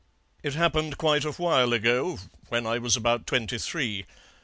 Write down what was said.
"It happened quite a while ago, when I was about twenty three.